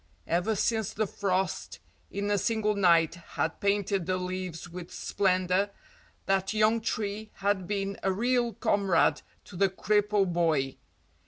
Ever since the frost in a single night had painted the leaves with splendour, that young tree had been a real comrade to the cripple boy.